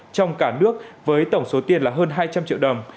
trong cả nước với tổng số tiền là hơn hai trăm linh triệu đồng